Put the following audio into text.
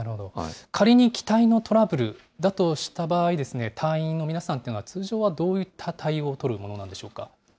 仮に機体のトラブルだとした場合、隊員の皆さんっていうのは、通常はどういった対応を取るものなんでしょうか。